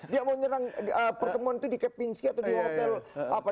dia mau nyerang pertemuan itu di kepinski atau di hotel apa